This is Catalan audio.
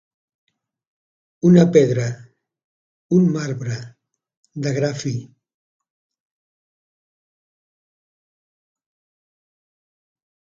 Una pedra, un marbre, de gra fi.